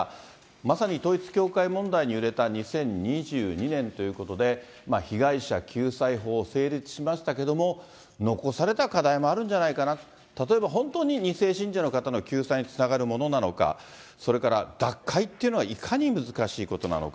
まさに統一教会問題に揺れた２０２２年ということで、被害者救済法成立しましたけども、残された課題もあるんじゃないかな、例えば、本当に２世信者の方の救済につながるものなのか、それから脱会っていうのはいかに難しいことなのか。